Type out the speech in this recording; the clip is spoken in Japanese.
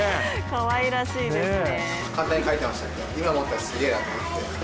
かわいらしいですね。